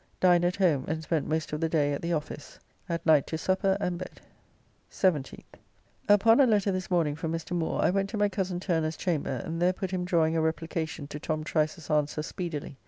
Dined at home, and spent most of the day at the office. At night to supper and bed. 17th. Upon a letter this morning from Mr. Moore, I went to my cozen Turner's chamber, and there put him drawing a replication to Tom Trice's answer speedily.